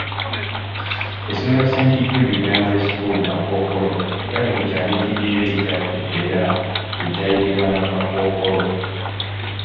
Essomero Saint Jude Primary School Kakookolo lyali ku kyalo ekiddirira ekyaffe era ekyayitibwanga Kakookolo.